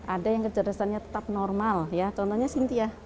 ada yang kecerdasannya tetap normal ya contohnya sintia